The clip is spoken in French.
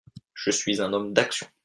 «Je suis un homme d’action.